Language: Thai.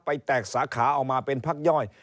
แตกสาขาเอามาเป็นพักย่อย